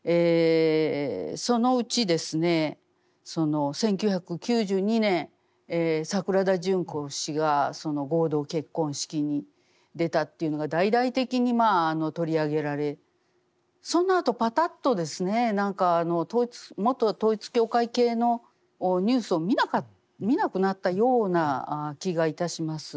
そのうちですね１９９２年桜田淳子氏が合同結婚式に出たというのが大々的に取り上げられそのあとパタッとですね元統一教会系のニュースを見なくなったような気がいたします。